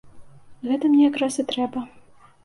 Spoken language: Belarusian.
Гэта мне якраз і трэба.